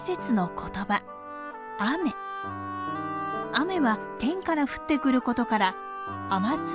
雨は天から降ってくることから天津